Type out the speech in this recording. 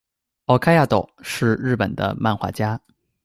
オカヤド，是日本的漫画家。